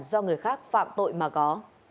do người khác phạm tội mà có